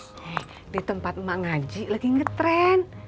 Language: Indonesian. eh di tempat mak ngaji lagi ngetrend